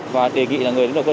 và đề nghị là người đứng đầu cơ sở